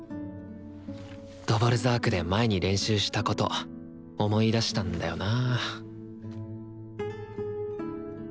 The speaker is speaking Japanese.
ドヴォルザークで前に練習したこと思い出したんだよな